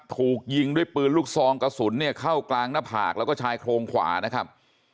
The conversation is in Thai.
ถูกยิงด้วยปืนลูกซองกระสุนเนี่ยเข้ากลางหน้าผากแล้วก็ชายโครงขวานะครับ